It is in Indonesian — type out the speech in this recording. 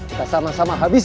aku akan menangkap dia